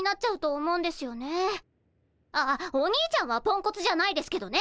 あっお兄ちゃんはポンコツじゃないですけどね。